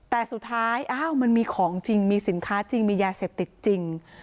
แต่สุดท้ายอ้าวมันมีของจริงมีสินค้าจริงมียาเสพติดจริง